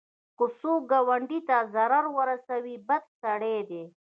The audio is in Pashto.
که څوک ګاونډي ته ضرر ورسوي، بد سړی دی